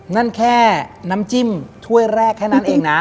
นั่นแค่น้ำจิ้มถ้วยแรกแค่นั้นเองนะ